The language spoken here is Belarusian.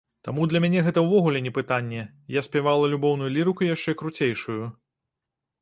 Таму для мяне гэта ўвогуле не пытанне, я спявала любоўную лірыку яшчэ круцейшую.